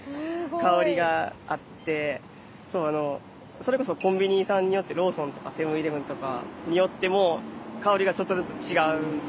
それこそコンビニさんによってローソンとかセブンイレブンとかによっても香りがちょっとずつ違うんで。